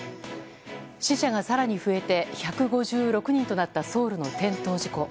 死者が更に増えて１５６人となったソウルの転倒事故。